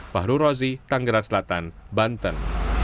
fahru rozi tanggerang selatan banten